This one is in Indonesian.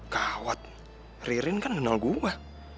gawat ririn kan kenal gue